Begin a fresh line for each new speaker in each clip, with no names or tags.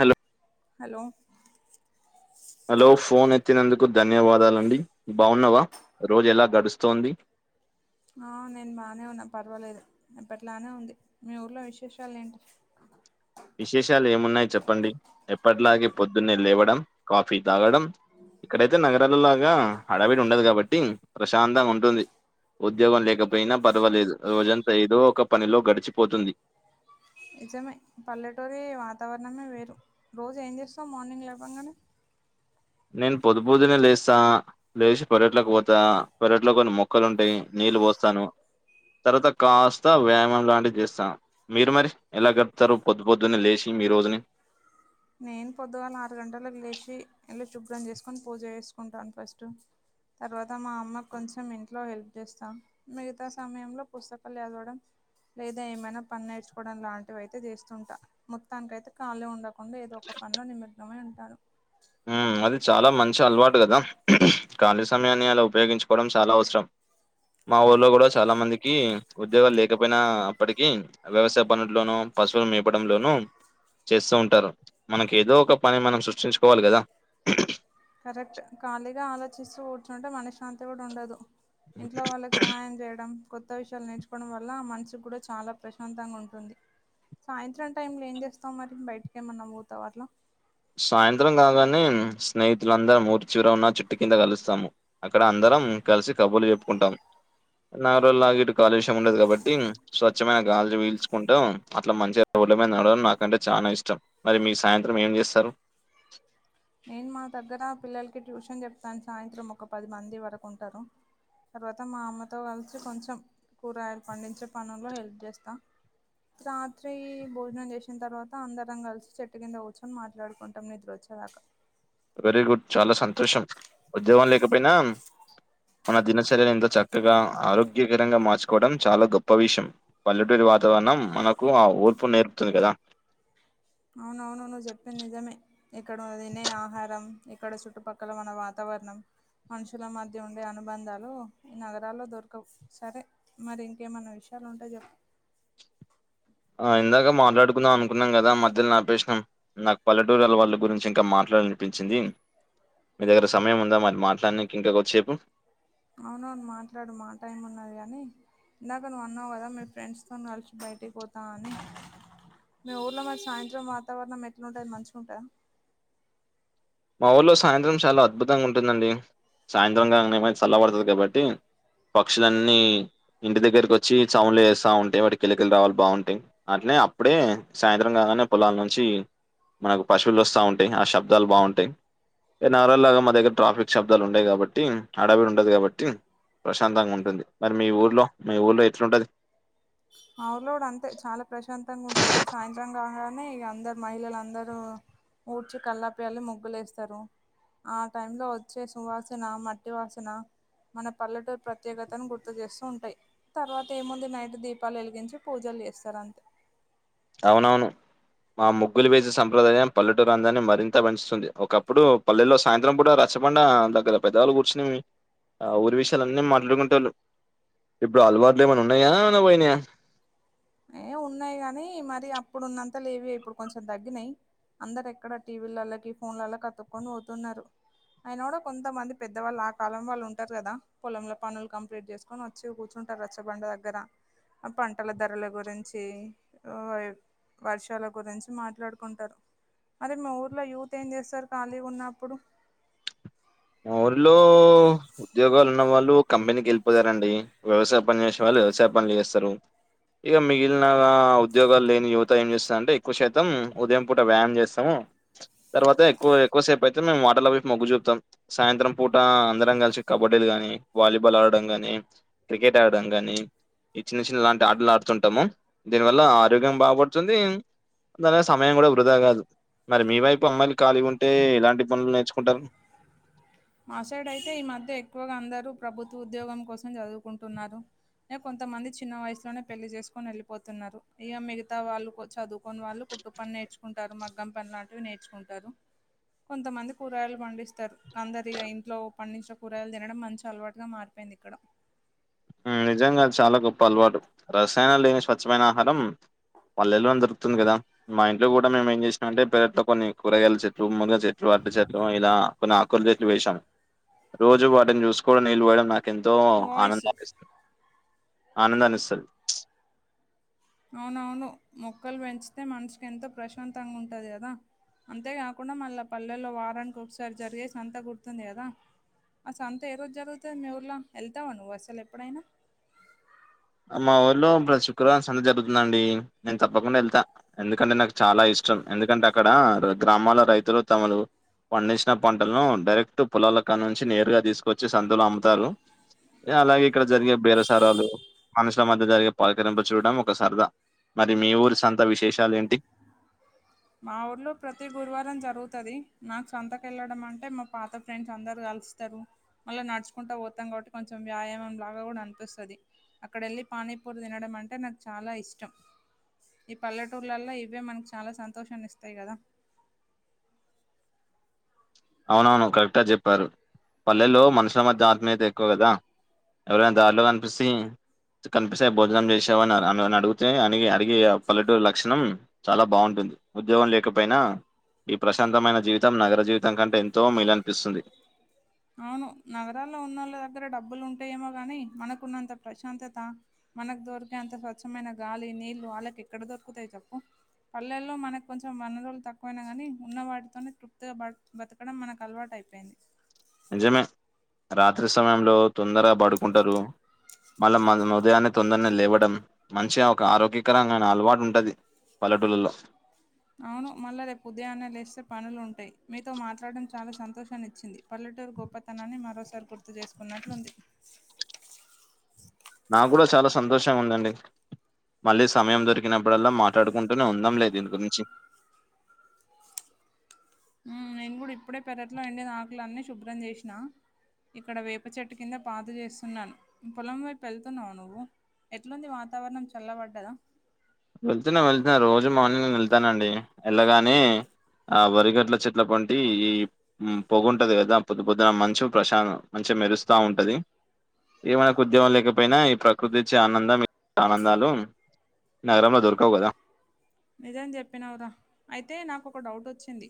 Hello
hello
వచ్చినందుకు ధన్యవాదాలండి బాగున్నవా రోజు ఎలా గడుస్తోంది
ఆ నేను బానే ఉన్నా పర్వాలేదు ఇప్పట్లానే ఉంది మీ ఊర్లో విశేషాలు ఏంటి
విశేషాలు ఏమున్నాయి చెప్పండి ఎప్పట్లాగే పొద్దున్నే లేవడం కాఫీ తాగడం ఇక్కడైతే నగరాలల్లాగా హడవిడి ఉండదు కాబట్టి ప్రశాంతంగా ఉంటుంది ఉద్యోగం లేకపోయినా పర్వాలేదు రోజంతా ఏదో ఒక పనిలో గడిచిపోతుంది
నిజమే పల్లెటూరి వాతావరణమే వేరు రోజు ఏం చేస్తావు మార్నింగ్ లేవంగానే
నేను పొద్దుపొద్దుని లేస్తా లేచి పెరట్లేకి పోతా పెరట్లో కొన్ని మొక్కలు ఉంటాయి నీళ్లు పోస్తాను తర్వాత కాస్త వ్యాయామం లాంటివి చేస్తా మీరు మరి ఎలా గడపుతారు పొద్దు పొద్దుని లేచి మీ రోజుని
నేను పొద్దుగాల ఆరు గంటల లేచి ఇల్లు శుభ్రం చేసుకుని పూజ చేసుకుంటాను ఫస్ట్ తర్వాత మా అమ్మ కొంచెం ఇంట్లో హెల్ప్ చేస్తా మిగతా సమయంలో పుస్తకాలు చదవడం ఏది ఏమైనా పని నేర్చుకోవడం లాంటివి అయితే చేస్తుంటా మొత్తానికి అయితే ఖాళీ ఉండ కాకుండా ఏదో ఒక పనిలో నిమగ్నమై ఉంటాను
ఉ అది చాలా మంచి అలవాటు కదా ఖాళీ సమయాన్ని అలా ఉపయోగించుకోవడం చాలా అవసరం మా ఊళ్లో కూడా చాలా మందికి ఉద్యోగాలు లేకపోయినా అప్పటికి వ్యవసాయ పనుల్లోను పశువులు మేపడంలోనూ చేస్తూ ఉంటారు మనకి ఏదో ఒక పని మనం సృష్టించు కోవాలి కదా
కరెక్ట్ ఖాళీగా ఆలోచిస్తూ కూర్చుంటే మనశ్శాంతి కూడా ఉండదు ఇంట్లో వాళ్ళకి సహాయం చేయడం కొత్త విషయాలు నేర్చుకోవడం వల్ల మనసు కూడా చాలా ప్రశాంతంగా ఉంటుంది సాయంత్రం టైమ్ లో ఏం చేస్తావు మరి బయటకి ఏమన్నానా పోతావ అట్లా
సాయంత్రం కాగానే స్నేహితులందరు ఊరి చివర ఉన్న చెట్టు కింద కలుస్తాము అక్కడ అందరు కలిసి కబుర్లు చెప్పుకుంటాం నాలురోజులాగా ఇటు కాలుష్యయం ఉండదు కాబట్టి స్వచ్ఛమైన గాలి వీల్చుకుంటాం అట్లా మంచిగా మీద నడవడం నాకంటే చానా ఇష్టం మరి మీ సాయంత్రం ఏం చేస్తారు
నేను మా దగ్గర పిల్లలకి ట్యూషన్ చెప్తాను సాయంత్రం ఒక పది మంది వరకు ఉంటారు తర్వాత మా అమ్మతో కలిసి కొంచెం కూరగాయలు పండించే పనుల్లో హెల్ప్ చేస్తా రాత్రి భోజనం చేసిన తర్వాత అందరం కలిసి చెట్టు కింద కూచొని మాట్లాడుకుంటాం నిద్ర వచ్చేదాక
వెరీ గుడ్ చాలా సంతోషం ఉద్యోగం లేకపోయినా మన దినచర్యను ఇంత చక్కగా ఆరోగ్యకరంగా మార్చుకోవడం చాలా గొప్ప విషయం పల్లెటూ వాతావరణం మనకు ఆ ఓర్పు నేర్పుతుంది కదా
అవును అవును నువు చెప్పింది నిజమే ఇక్కడ తినే ఆహారం ఇక్కడ చుట్టుపక్కల మన వాతావరణం మనుషుల మధ్య ఉండే అనుబంధాలు ఈ నగరాల్లో దొరకవు సరే మరి ఇంకేమన్నా విషయం లా ఉంటే చెప్పు
ఆ ఇందాక మాట్లాడుకుందాం అనుకున్నాం కదా మధ్యలో నాపేసినం నాకు పల్లెటూరుల వాళ్ళ గురించి ఇంకా మాట్ నిపించింది మీ దగ్గర సమయం ఉందా మరి మాట్లానికి ఇంకా కొద్దిసేపు
అవునవును మాట్లాడు మాటైమ్ ఉన్నది కాని ఇందాక నువ్వు అన్నావు కదా మీరు ఫ్రెండ్స్తో కలిసి బయటకి పోతాం అని మీ ఊర్లో మరి సాయంత్రం వాతావరణం ఎట్లా ఉంటది మంచిగుంటద
మా ఊళ్ళలో సాయంత్రం చాలా అద్భుతంగా ఉంటుందండి సాయంత్రంకంగానెమచల్ల పడుతది కాబట్టి పక్షులన్నీ ఇంటి దగ్గరకి వచ్చి సౌండ్లు చేస్తా ఉంటాయి వాటి కిలకిల రావాలు బాగుంటాయి అట్ల అప్పుడే సాయంత్రం కాంగానే పొలాల నుంచి మనకు పశువులు వస్తా ఉంటాయి ఆ శబ్దాలు బాగుం టై నాగరల్ లాగా మా దగ్గర ట్రాఫిక్ శబ్దాలు ఉండయి కాబట్టి అడవిడి ఉండది కాబట్టి ప్రశాంతంగా ఉంటుంది మరి మీ ఊర్లో మీ ఊర్లో ఎట్లుంటది
మా ఊర్లో కూడా అంతే చాలా ప్రశాంతంగా ఉంటది సాయంత్రం రాంగానే అందరు మహిళలు అందరూ ఊడ్చి కల్లాపిజళ్ళి ముగ్గులెస్తారు ఆ టైమ్ లో వచ్చే సువాసన మట్టి వాసన మన పల్లెటూరు ప్రత్యేకతను గుర్తు చేస్తూ ఉంటాయి తర్వాత ఏముంది నైట్ దీప్ దీపాలు ఎలిగించి పూజలు చేస్తారు అంతే
అవునవును మా ముగ్గులు వేసి సంప్రదాయం పల్లెటూరు అందాన్ని మరింత పెంచుతుంది ఒకప్పుడు పల్లెలో సాయంత్రం పూట చ్చబండా దగ్గర పెద్దవాళ్ళు కూర్చుని ఆ ఊరి విషయలు అన్నీ మాట్లాడుకుంటోళ్లు ఇప్పుడు అలవాట్లు ఏమైనా ఉన్నాయా ఏమన పోయినయా
ఏ ఉన్నాయి గానీ మరి అప్పుడు ఉన్నంత లేవిగ ఇప్పుడు కొంచెం తగ్గినయ్ అందరు ఎక్కడ టీవీలలాకి ఫోన్లల్ల కతుక్కొని పోతున్నారు అయన కూడా కొంతమంది పెద్దవాళ్ళు ఆ కాలం వాళ్ళు ఉంటారు కదా పొలంలో పనులు కంప్లీట్ చేసుకొని వచ్చి కూర్చు టర్ రచ్చబండ దగ్గర ఆ పంటల ధరల గు గురించి వర్షాల గురించి మాట్లాడుకుంటారు అరే మా ఊర్లో యూత్ ఏం చేస్తారు ఖాళీగున్నప్పుడు
మా ఊర్లో ఉద్యోగాలు ఉన్న వాళ్ళు కంపెనీకి వెళ్ళిపోయారండి వ్యవసాయ పని చేేసే వాళ్ళు వ్యవసాయ పనులు చేస్తారు ఇగ మిగిలిన ఉద్యోగాలు లేని యువత ఏం చేస్తందంటే ఎక్కువ శతం ఉదయం పూట వ్యాయామం చేస్తాము తర్వాత ఎక్కువ ఎక్కువసేపయితే మేము అటల్ వైపు మొగ్గు చూపుతాం సాయంత్రం పూట అందరం కలిసి కబడ్డీలు గానీ వాలీబాల్ ఆడడం గాని క్రికెట్ ఆడడం గాని ఈ చిన్న చిన్న లాంటి ఆటలు ఆడుతుంటాము దీని వల్ల ఆరోగ్యం బాగుపడుతుంది దాని మీద సమయం కూడా వృధా కాదు మరి మీ వైపు అమ్మాయిలు ఖాళీగుంటే ఎలాంటి పనులు నేర్చుకుంటారు
మాసైడ్ అయితే ఈ మధ్య ఎక్కువగా అందరూ ప్రభుత్వ ఉద్యోగం కోసం చదువుకుంటున్నారు ఇగ కొంతమంది చిన్న వయసులోనే పెళ్లి చేసుకొని వెళ్ళిపోతున్నారు ఇగ మిగతా వాళ్ళు చదువుకొని వాళ్ళు పని నేర్చుకుంటారు మగ్గం పని లాంటివి నేర్చుకుంటర్రు కొంతమంది కూరగాయలు పండిస్తారు అందర్ దిగా ఇంట్లో పండించిన కూరగాయలు తినడం మంచి అలవాటుగా మారిపోయింది ఇక్కడ
నిజంగా చాలా గొప్ప అలవాటు రసాయనం లేని స్వచ్ఛమైన ఆహారం పల్లెల్లోన్ దొరుకుతుంది కదా మా ఇంట్లో కూడా మేము ఏం చేసినం అంటే పెరట్లో కొన్ని కూరగాయల చెట్లు మునిగ చెట్లు చెట్లు ఇలా కొన్ని ఆకుల చెట్లు వెషం రోజు వాటిని చూసుకో నీళ్ళు పోయడం నా ఎంతో
వాయిస్
ఆనంద ఆనందాన్నిస్తది
అవునవును మొక్కలు పెంచితే మనసుకి ఎంతో ప్రశాంతంగా ఉంటంది కదా అంతేకాకుండా మళ్ళా పల్లెల్లో వారానికి ఒకసారి జరిగేసి సంతా గుర్తుంది కదా ఆ సంత ఏ రోజు జరుగుతద్ మీ ఊర్ల ఎళ్తావా నువ్వు అసల్ ఎప్పుడైనా
మా ఊర్లో ప్రతి శుక్రవారం సంత జరుగుతదండి నేన్ తప్పకుండా వెళ్తా ఎందుకంటే నాక్ చాలా ఇష్ ఇష్టం ఎందుకంటే అక్కడ గ్రామాల రైతులు తమలు. పండించిన పంటలను డైరెక్ట్ పొలాలకడ నుంచి నేరుగా తీసుకొచ్చి సంతలో అమ్ముతారు. అలాగే ఇక్కడ జరిగే బేరసారలు. మనుషుల మధ్య జరిగే పలకరింపు చూడడం ఒక సరదా మరి మీ ఊరి సంత విశేషాలు ఏంటి.
మా ఊర్లో ప్రతి గురువారం జరుగుతది నాకు సంతక వెళ్ళడం అంటే మా పాత ఫ్రెండ్స్ అందరు కలు. వస్తారు అలా నడుచుకుంటూ పోతాం కాబట్టి కొంచెం వ్యాయామం లాగా కూడా అనిపిస్తుంది. అక్కడ వెళ్ళి పానీపూరి తినడం అంటే నాకు చాలా ఇష్టం. ఈ పల్లెటూర్లలో ఇవే మనకి చాలా సంతోషాన్ని ఇస్తాయి కదా.
అవునవును కరెక్టుగా చెప్పారు పల్లెల్లో మనుషుల మధ్య ఆత్మియత ఎక్కువ కదా. ఎవరైనా దారిలో కనిపిసీ. కనిపిస్తే భోజనం చేసావాని అని అడిగితే అని అడిగి పల్లెటూరు లక్షణం చాలా బాగుంటుంది. ఉద్యోగం లేకపోయినా ఈ ప్రశాంతమైన జీవితం నగర జీవితం. దాని కంటే ఎంతో మేలనిపిస్తుంది.
అవును నగరాల్లో ఉన్నోళ్ళ దగ్గర డబ్బులు ఉంటాయేమో గాని మనకున్నంత ప్రశాంతత. మనకు దొరికే అంత స్వచ్ఛమైన గాలి నీళ్ళు వాళ్ళకి ఎక్కడ దొరుకుతాయి చేప్పు. పల్లెల్లో మనకు కొంచెం వనరులు తక్కువైనాగాని ఉన్న వాటితోనే తృప్తిగా బత బతకడం మనకు అలవాటు. అయిపోయింది.
నిజమే రాత్రి సమయంలో తొందరగా పడుకుంటారు. మళ్ళా మనం ఉదయాన్నే తొందరనే లేవడం మంచిగా ఒక ఆరోగ్యకరమైన అలవాటు ఉంటది. పల్లెటూర్లలో.
అవును మళ్ళా రేపు ఉదయానే లేస్తే పనులు ఉంటాయి. మీతో మాట్లాడటడం చాలా సంతోషాన్ని ఇచ్చింది పల్లెటూరు గొప్పతనాన్ని మరోసారి గుర్తు చేసుకున్నట్లుంది.
నాకు కూడా చాలా సంతోషంగా ఉందండి. మళ్ళీ సమయం దొరికినప్పుడల్లా మాట్లాడుకుంటూనే ఉందంలే దీని గురించి.
నేను కూడా ఇప్పుడే పెరట్లో ఎండిన ఆకులు అన్నీ శుభ్రం చేసిన. ఇక్కడ వేప చెట్టు కింద పాతు చేస్తున్నాను పొలం వైపు వెళ్తున్నావ నువ్వు. ఎట్లుంది వాతావరణం చల్లబడ్డదా.
వెళ్తున్నా వెళ్తున్నా రోజు మార్నింగ్ వెళ్తానండి వెళ్ళగానే. ఆహ్ వరిగట్ల చెట్ల పోంటి ఈ ఉమ్ పొగుంటది కదా పొద్దు పొద్దున ఆహ్ మంచు ప్రశా మంచి. అంటే మెరుస్తా ఉంటది. ఈ మనకు ఉద్యోగం లేకపోయినా ఈ ప్రకృతిచ్చే ఆనందం ఆనందాలు. నగరాంలో దొర్కావు కదా.
నిజం చెప్పినావురా అయితే నాకు ఒక డౌట్ వచ్చింది.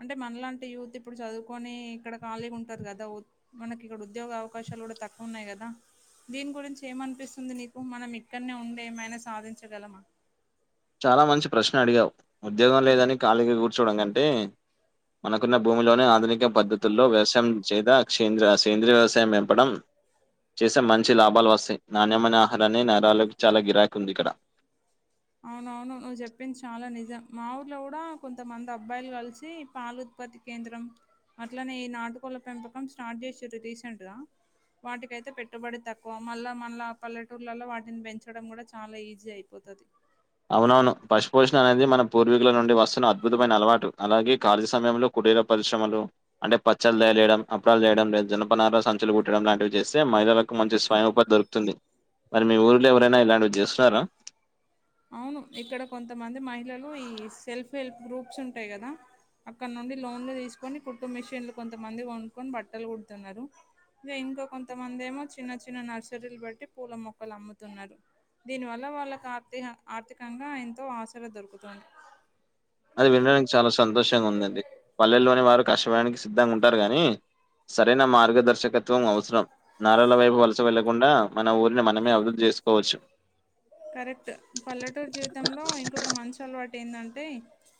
అంటే మనలాంటి యూత్ ఇప్పుడు చదువుకొని ఇక్కడ ఖాళీగా ఉంటారు కదా మనకి ఇక్కడ ఉద్యోగ అవకాశాలు. తక్కువ ఉన్నాయి కదా. దీని గురించి ఏమనిపిస్తుంది నీకు మనం ఇక్కడనే ఉండి ఏమైనా సాధించగలమా.
చాలా మంచి ప్రశ్న అడిగావు ఉద్యోగం లేదని ఖాళీగా కూర్చోడం కంటే. మనకున్న భూమిలోనే ఆధునిక పద్ధతుల్లో వ్యవసాయం చేదషేంద్ర ఆహ్ సేంద్రియ వ్యవసాయం పెంపడం. చేస్తే మంచి లాభాలు వస్తాయి నాణ్యమైన ఆహారాన్ని నరాలకి చాలా గిరాక్ ఉంది ఇక్కడ.
అవునవును నువ్వు చెప్పింది చాలా నిజం మా ఊర్లో కూడా కొంతమంది అబ్బాయిలు కలిసి పాలు ఉత్పత్తి. కేంద్రం అట్లనే ఈ నాటుకోళ్ల పెంపకం స్టార్ట్ చేసింరు రీసెంట్ గా. వాటికైతే పెట్టుబడి తక్కువ మళ్ళా మళ్ళా పల్లెటూర్లలో వాటిని పెంచడం కూడా చాలా ఈజీ అయిపోతది.
అవునవును పశుపోషణ అనేది మన పూర్వీకుల నుండి వస్తున్న అద్భుతమైన అలవాటు అలాగే ఖాళీ సమయంలో. కూటిరా పరిశ్రమలు అంటే పచ్చళ్లు తయరుచెయడం అప్పాడాలు చేయడం జనపనర సంచులు కుట్టడం లాంటివి చేస్తే మ కు మంచి స్వయం ఉపాధి దొరుకుతుంది మరి మీ ఊర్లో ఎవరైనా ఇలాంటివి చేస్తున్నారా
అవును ఇక్కడ కొంతమంది మహిళలు ఈ సెల్ఫ్ హెల్ప్ గ్రూప్స్ ఉంటాయి కదా అక్కడ నుండి లోన్లు తీసుకొని కుట్టు మిషన్లు కొంతమంది కొనుక్కొని బట్టల్ కుడుతున్నారు ఇగ ఇంకా కొంతమంది ఏమో చిన్న చిన్న నర్సరీలు పెట్టి పూల మొక్కలు అమ్ముతున్నారు దీని వల్ల వాళ్ళకి ఆర్థిక ఆర్థికంగా ఎంతో ఆసర దొరుకుతుంది
అది వినడానికి చాలా సంతోషంగా ఉందండి పల్లెల్లోని వారు కష్టపడడానికి సిద్ధంగా ఉంటారు గాని సరైన మార్గదర్శకత్వం అవసరం నారల వైపు వలస వెళ్ళకుండా మన ఊరిని మనమే అభివృద్ధి చే సుకోవచ్చు
కరెక్ట్ పల్లెటూరు జీవితంలో ఇంకొక మంచాలవాటు ఏందంటే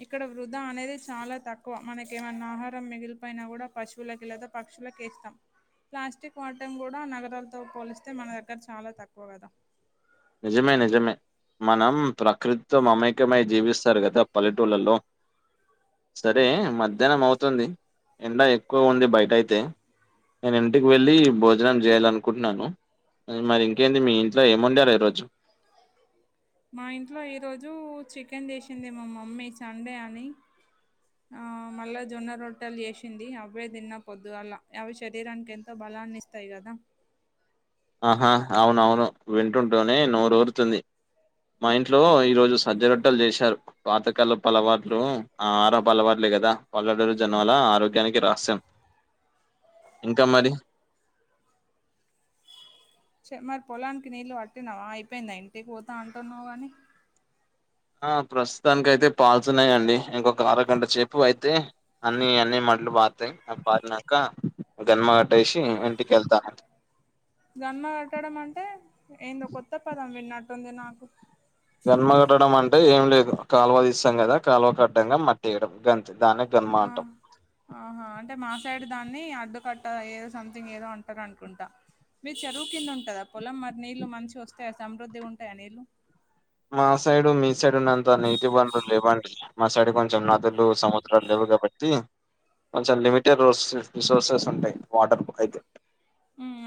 ఇక్కడ వృధా అనేది చాలా తక్కువ మనకెమన్నా ఆహారం మిగిలిపోయినా కూడా పశు వులకి లేపోతే పక్షులకేస్తం ప్లాస్టిక్ వాటం కూడా నగరాలతో పోలిస్తే మన దగ్గర చాలా తక్కువ గదా
నిజమే నిజమే మనం ప్రకృతితో మామేకమై జీవిస్తారు కదా పల్లెటూళ్ళలో సరే మధ్యాహ్నం అవుతుంది ఎండ ఎక్కువ ఉంది బయటయితే నేను ఇంటికి వెళ్ళి భోజనం చేయ్యాలనుకుంటున్నాను మరి ఇంకేంది మీ ఇంట్లో ఏముండారు ఈరోజు
మా ఇంట్లో ఈరోజు చికెన్ చెసింది మా మమ్మీ సండే అని ఆ మళ్ళా జొన్న రొట్టలు చేసింది అవ్వె దిన్న పొద్దుగాలా అవి శరీరానికి ఎంత బా లాన్ని ఇస్తాయి కదా
ఆహా అవునవును వింటుంటూనే నోరురుతుంది మా ఇంట్లో ఈ రోజు సజ్జరొట్టలు చేశారు పాతకాలపవాట్లు ఆ ఆరా పలవాట్ల కదా పల్లెడూరి జనల ఆరోగ్యానికి రాస్యం ఇంకా మరి
చె మరి పొలానికి నీళ్ళు పట్టినావా అయిపోయిందా ఇంటికి పోతా అంటున్నావ్ గని
ఆ ప్రస్తుతానికైయితే పాల్తున్నాయండి ఇంకొక అర గంట సేపు అయితే అన్ని అన్ని మ లు పర్తయ్ పారినంక గన్మగట్టేసి ఇంటికెళ్తాను
గన్మ కట్టడం అంటే ఏందో కొత్త పదం విన్నట్టుంది నాకు
గన్మగట్టడం అంటే ఏం లేదు కాలువ తీస్తాం కదా కాలువకడ్డంగా మట్టిేయడం గ
ఆ ఆహా అంటే మాసైడ్ దాన్ని అడ్డుకట్ట ఏదో సంథింగ్ ఏదో అంటారనుకుంటా మీది చెరువు కింద ఉంటందా పొలం మరి నీళ్ళలు మంచిగొస్తాయా సమృద్ధిగుంటాయా నీళ్లు
మా సైడు మీ సైడ్ ఉన్నంత నీటి వనరులు లేవండి మా సైడ్ కొంచెం నదులు సముద్రాలు లేవ కాబట్టి కొంచం లిమిటెడ్ రిసోర్సెస్ ఉంటాయి వాటర్కు అయితే
ఉమ్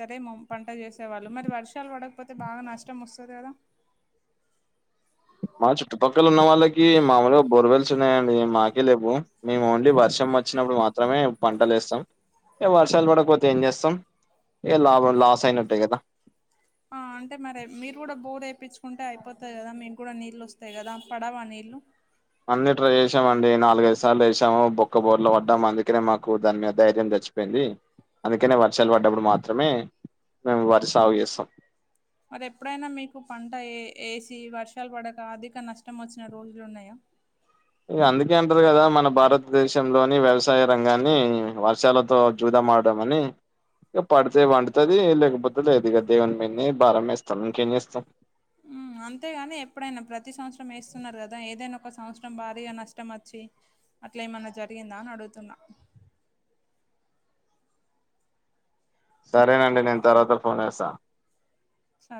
సరే మం పంట చేసేవాళ్ళు మరి వర్షాలు పడక్ కపోతే బాగా నష్టం వస్తది కదా
మా చుట్టుపక్కల ఉన్న వాళ్ళకి మామూలుగా బొర్వెల్స్ ఉన్నాయండి మాకే లేవ్వు మేము ఓన్లీ వర్షం మచ్చినప్పుడు మాత్రమే పంటలు ఎస్తాం ఇగ వర్షాలు పడకపోతే ఏం చేస్తాం ఏ లాభ
ఆ అంటే మరె మీరు కూడా బోర్ ఎపిచ్చుకు టే అయిపోతాది గదా మీగుడా నీళ్ళు వస్తాయి కదా పడవా నీళ్లు
అన్ని ట్రై చేసామండి నాలుగైఐదు సార్లు ఎసాము బొక్క బోర్ల పడ్డాము అందుకనే మాకు దాని మీద ధైర్యం ర్చ్చిపోయింది అందుకనే వర్షాలు పడ్డప్పుడు మాత్రమే మేము వరి సాగు చేస్తాం
మరి ఎప్పుడైనా మీకు పంట ఏ ఎసి వర్షాలు పడక అధిక నష్టం వచ్చిన రోజులు ఉన్నాయా
అ ఇగ అందుకే అంటర్ కదా మన భారత్ దేశంలోని వ్యవసాయ రంగాన్ని వర్షాలతో జూదాం మార్దమనీ ఇంగ పడితే వండుతది లేకపోతే లేద్ ఇగ దేవ్న్ మీన్నే భారంమేస్తాం ఇంకేం జేస్తాం
ఉమ్ అంతేగాని ఎప్పుడైనా ప్రతి సౌత్సరం ఏస్తున్నరు గదా ఏదైనా ఒక సౌత్సరం భారీగా నష్టమోచ్చి అట్లా ఏమన్నా జరిగిందా అన్ అడుతున్నా
సరేనండి నేన్ తర్వత ఫోన్ జేస్తా
సరే